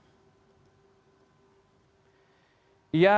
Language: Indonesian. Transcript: ia merupakan seorang ekonom pro eropa berusia tiga puluh enam tahun